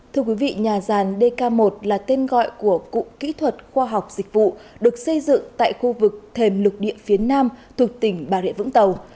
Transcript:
thưa quý vị nhà gian dk một là tên gọi của cụ kỹ thuật khoa học dịch vụ được xây dựng tại khu vực thềm lục địa phía nam thuộc tỉnh bà rịa vũng tàu